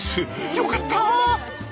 よかった！